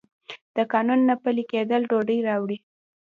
د قانون نه پلی کیدل ګډوډي راوړي.